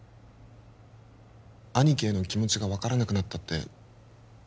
兄貴ヘの気持ちが分からなくなったって